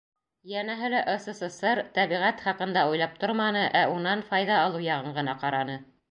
Йәнәһе лә, СССР тәбиғәт хаҡында уйлап торманы, ә унан файҙа алыу яғын ғына ҡараны.